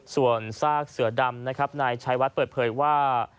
ส่วนซากเสือดำนายชายวัดเปิดเผยว่า